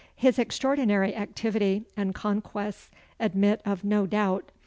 His extraordinary activity and conquests admit of no doubt.